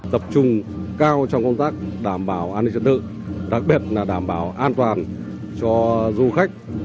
tập trung cao trong công tác đảm bảo an ninh trật tự đặc biệt là đảm bảo an toàn cho du khách